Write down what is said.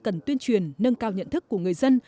cần tuyên truyền nâng cao nhận thức của người dân